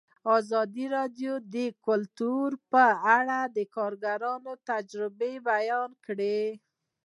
ازادي راډیو د کلتور په اړه د کارګرانو تجربې بیان کړي.